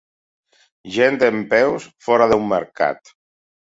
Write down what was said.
Gent dempeus fora d'un mercat.